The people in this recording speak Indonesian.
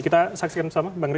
kita saksikan bersama bang rey